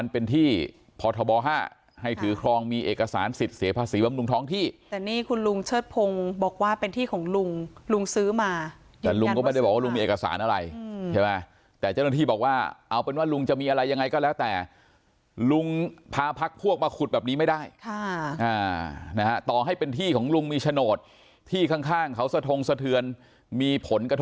เป็นที่พทบห้าให้ถือครองมีเอกสารสิทธิ์เสียภาษีบำรุงท้องที่แต่นี่คุณลุงเชิดพงศ์บอกว่าเป็นที่ของลุงลุงซื้อมาแต่ลุงก็ไม่ได้บอกว่าลุงมีเอกสารอะไรใช่ไหมแต่เจ้าหน้าที่บอกว่าเอาเป็นว่าลุงจะมีอะไรยังไงก็แล้วแต่ลุงพาพักพวกมาขุดแบบนี้ไม่ได้ค่ะนะฮะต่อให้เป็นที่ของลุงมีโฉนดที่ข้างเขาสะทงสะเทือนมีผลกระทบ